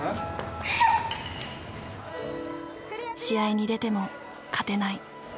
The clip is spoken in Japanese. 試合に出ても勝てない。